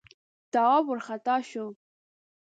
تواب وارخطا شو: